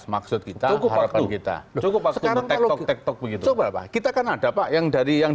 dua belas maksud kita cukup waktu kita cukup waktu sekarang kalau kita kan ada pak yang dari yang